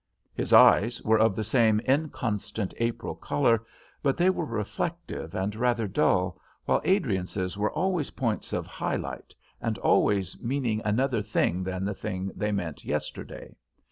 His eyes were of the same inconstant April colour, but they were reflective and rather dull; while Adriance's were always points of high light, and always meaning another thing than the thing they meant yesterday.